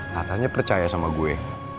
katanya percaya sama gue